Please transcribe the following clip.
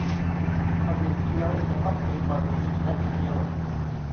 บะหมี่เกี๊ยวจะต้องมีบะหมี่และเกี๊ยว